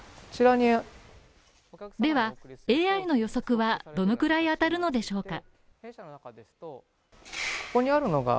では、ＡＩの予測はどのくらい当たるのでしょうか？